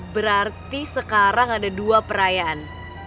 berarti sekarang ada dua perayaan